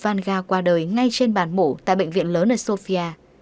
vanga qua đời ngay trên bàn mổ tại bệnh viện lớn ở sofia